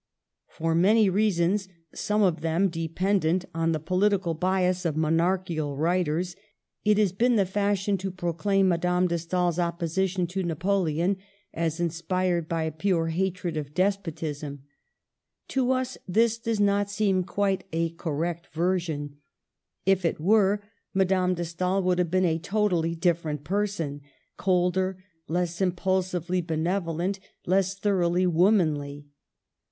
For many reasons, some of them dependent on the political bias of monarchical writers, it has Digitized by VjOOQLC VISITS GERMANY. 1 29 been the fashion to proclaim Madame de Stael's opposition to Napoleon as inspired by pure hatred of despotism. To us this does not seem quite a correct version. If it were, Madame de Stael would have been a totally different person ; cold er, less impulsively benevolent, less thoroughly womanly.